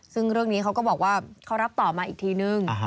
ซึ่งเรื่องนี้เขาก็บอกว่าเขารับต่อมาอีกทีนึง